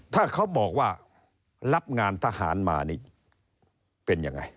ถ้าเขาบอกว่ารับงานทหารมานี่เป็นยังไง